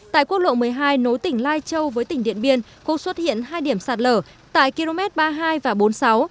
tại quốc lộ một mươi hai nối tỉnh lai châu với tỉnh điện biên cũng xuất hiện hai điểm sạt lở tại km ba mươi hai và bốn mươi sáu